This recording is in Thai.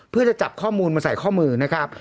เพื่อจะจับข้อมูลมาใส่ข้อมือนะครับ